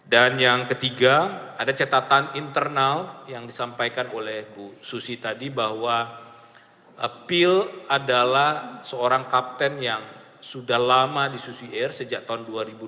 dan yang ketiga ada catatan internal yang disampaikan oleh bu susi tadi bahwa pil adalah seorang kapten yang sudah lama di susi air sejak tahun dua ribu dua belas